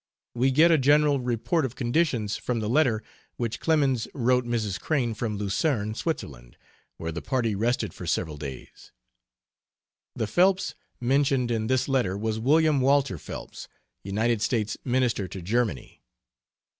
We get a general report of conditions from the letter which Clemens wrote Mrs. Crane from Lucerne, Switzerland, where the party rested for several days. The "Phelps" mentioned in this letter was William Walter Phelps, United States Minister to Germany.